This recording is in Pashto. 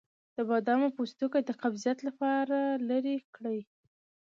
د بادام پوستکی د قبضیت لپاره لرې کړئ